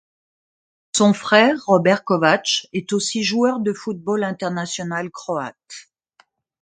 Son frère, Robert Kovač, est aussi joueur de football international croate.